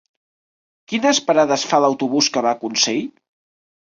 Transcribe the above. Quines parades fa l'autobús que va a Consell?